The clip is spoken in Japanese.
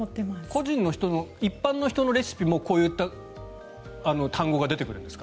個人の一般の人のレシピもこういう単語が出てくるんですか？